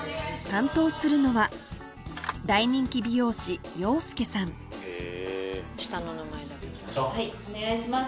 担当するのは大人気美容師はいお願いします。